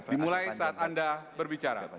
dimulai saat anda berbicara